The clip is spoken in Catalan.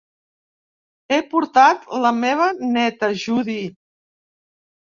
He portat la meva neta, Judy.